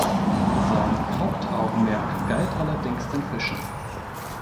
Sein Hauptaugenmerk galt allerdings den Fischen.